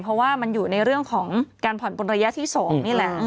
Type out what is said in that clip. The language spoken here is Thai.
เพราะว่ามันอยู่ในเรื่องของการผ่อนปนระยะที่๒นี่แหละ